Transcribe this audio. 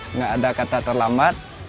tidak ada kata terlambat